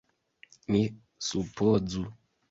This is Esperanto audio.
Ni supozu!